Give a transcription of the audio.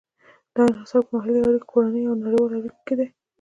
دا انحصار په محلي اړیکو، کورنیو او نړیوالو اړیکو کې دی.